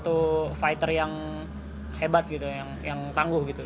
satu fighter yang hebat gitu yang tangguh gitu